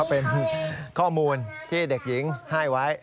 เป็นข้อมูลที่เด็กหญิงให้ไว้